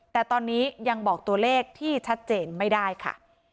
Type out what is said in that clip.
แต่ตอนนี้ยังบอกตัวเลขที่ชัดเจนไม่ได้ค่ะ